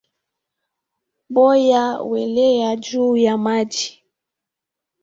Boya hweleya juu ya maji